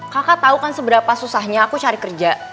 kakak tahu kan seberapa susahnya aku cari kerja